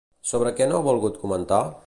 Sobre què no ha volgut comentar?